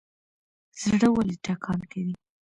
زړه ولې ټکان کوي؟